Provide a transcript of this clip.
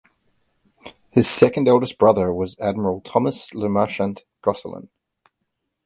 His second eldest brother was Admiral Thomas Le Marchant Gosselin.